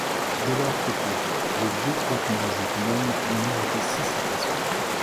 De leur côté, les deux groupements autonomes ont mérité six citations.